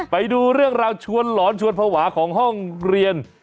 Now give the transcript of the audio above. ไปดูเรื่องราวชวนหลอนชวนภาวะของห้องเรียน